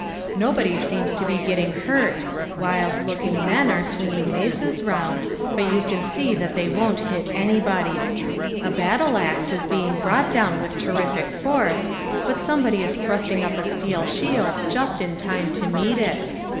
Nobody seems to be getting hurt, wild looking men are swinging maces round, but you can see that they won't hit anybody. A battle axe is being brought down with terrific force, but somebody is thrusting up a steel shield just in time to meet it.